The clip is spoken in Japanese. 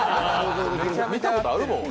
見たことあるもん。